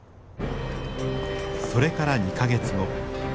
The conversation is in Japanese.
それから２か月後。